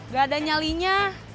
gak ada nyalinya